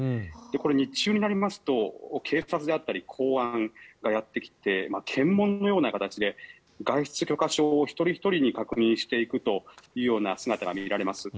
これ、日中になりますと警察だったり公安がやってきて検問のような形で外出許可証を一人ひとりに確認していくというような姿が見られます。